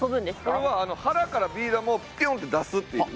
これはあの腹からビー玉をピュンって出すっていう。